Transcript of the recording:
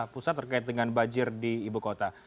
pusat terkait dengan banjir di ibu kota